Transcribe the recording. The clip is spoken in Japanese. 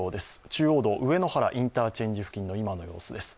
中央道上野原インターチェンジ付近の今の様子です。